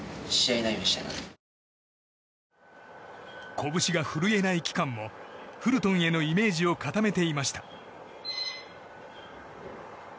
拳が振るえない期間もフルトンへのイメージを固めていました。